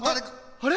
あれ？